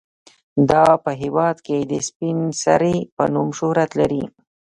دا په هیواد کې د سپینې سرې په نوم شهرت لري.